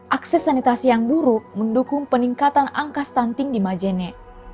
akses sanitasi yang buruk mendukung peningkatan angka stunting di majene